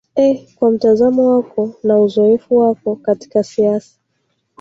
ee kwa mtazamo wako na uzoefu wako katika siasa